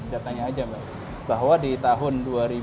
datanya aja mbak bahwa di tahun dua ribu dua